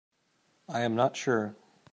I am not sure.